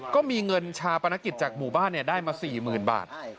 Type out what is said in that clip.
ก็มีเงินชาปนกิจจากหมู่บ้านได้มา๔๐๐๐บาท